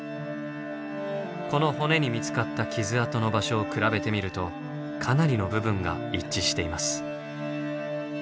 この骨に見つかった傷痕の場所を比べてみるとかなりの部分が一致しています。